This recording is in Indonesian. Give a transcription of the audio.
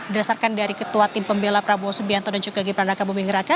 berdasarkan dari ketua tim pembela prabowo subianto dan juga gibran raka buming raka